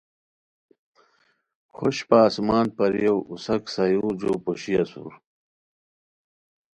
خوشپہ آسمان پریو اوساک سایورجو پوشی اسور